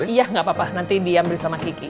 iya gak apa apa nanti dia ambil sama kiki